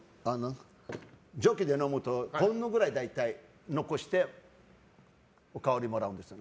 ジョッキで飲むとこのぐらい大体残しておかわりもらうんです。